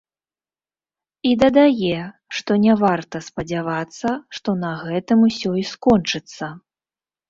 І дадае, што не варта спадзявацца, што на гэтым усё й скончыцца.